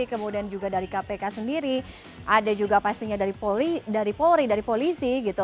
kemudian juga dari kpk sendiri ada juga pastinya dari polisi